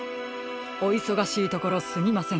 おいそがしいところすみません。